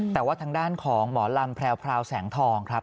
แต่ว่าทางด้านของหมอลำแพรวแสงทองครับ